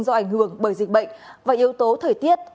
do ảnh hưởng bởi dịch bệnh và yếu tố thời tiết